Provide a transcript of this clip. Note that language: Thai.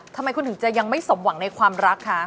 ทำไมคุณถึงจะยังไม่สมหวังในความรักคะ